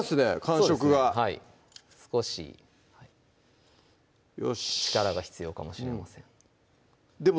感触が少し力が必要かもしれません